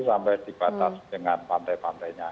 sampai dibatas dengan pantai pantainya